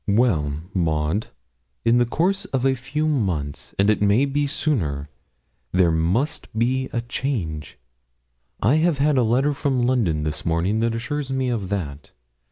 'Well, Maud, in the course of a few months and it may be sooner there must be a change. I have had a letter from London this morning that assures me of that.